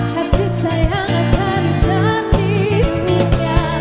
kasih sayang akan bisa di dunia